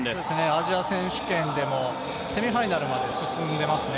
アジア選手権でもセミファイナルまで進んでいますね。